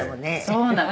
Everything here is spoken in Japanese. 「そうなの。